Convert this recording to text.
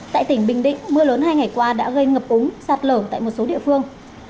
tại tỉnh bình định mưa lớn hai ngày qua đã gây ngập úng sạt lở tại một số địa phương